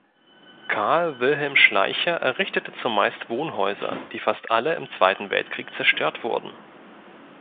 Carl Wilhelm Schleicher errichtete zumeist Wohnhäuser, die fast alle im Zweiten Weltkrieg zerstört wurden.